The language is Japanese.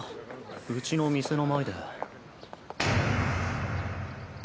うちの店の前で。